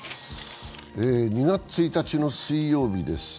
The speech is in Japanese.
２月１日の水曜日です。